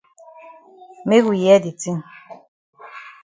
Make we hear de tin.